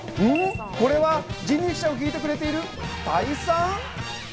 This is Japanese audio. これは人力車を引いてくれている、田井さん？